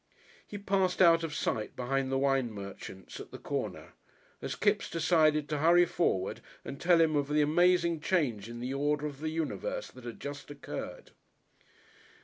He passed out of sight behind the wine merchant's at the corner, as Kipps decided to hurry forward and tell him of the amazing change in the Order of the Universe that had just occurred.